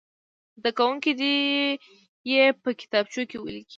زده کوونکي دې یې په کتابچو کې ولیکي.